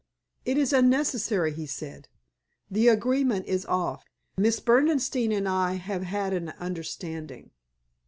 "It is unnecessary," he said. "The agreement is off. Miss Berdenstein and I have had an understanding."